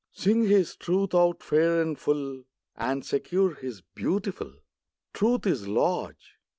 Sing His Truth out fair and full, And secure His beautiful. Truth is large.